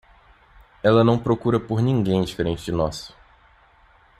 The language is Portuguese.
Ela não procura por ninguém diferente de nós.